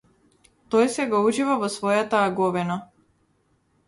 Тој сега ужива во својата аговина.